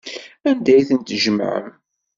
Anda ay ten-tjemɛem?